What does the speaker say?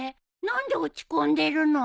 何で落ち込んでるの？